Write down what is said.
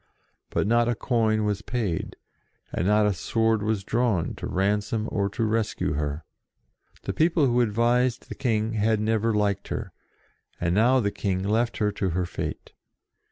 But not a coin was paid, and not a sword was drawn to ransom or to rescue her. The people who advised the King had never liked her, and now the King left her to her fate.